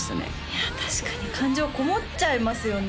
いや確かに感情こもっちゃいますよね